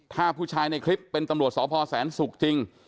ถ้าผู้ชายในคลิปเป็นตำรวจสพแสนศุกร์จริง